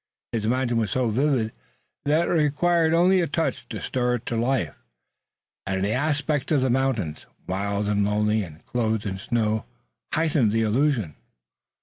His imagination was so vivid that it required only a touch to stir it into life, and the aspect of the mountains, wild and lonely and clothed in snow, heightened the illusion.